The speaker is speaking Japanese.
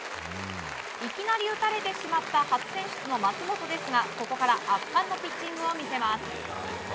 いきなり打たれてしまった初選出の松本ですがここから圧巻のピッチングを見せます。